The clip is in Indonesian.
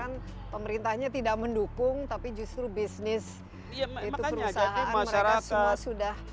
ini beneran kan pemerintahnya tidak mendukung tapi justru bisnis itu perusahaan masyarakat sudah